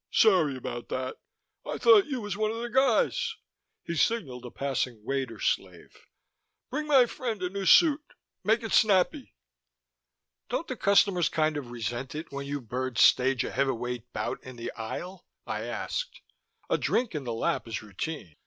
"Sorry about that. I thought you was one of the guys." He signaled a passing waiter slave. "Bring my friend a new suit. Make it snappy." "Don't the customers kind of resent it when you birds stage a heavyweight bout in the aisle?" I asked. "A drink in the lap is routine.